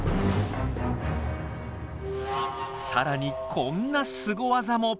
さらにこんなスゴ技も！